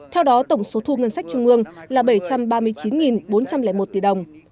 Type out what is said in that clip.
theo đó tổng số thu ngân sách trung ương là bảy trăm ba mươi chín bốn trăm linh một tỷ đồng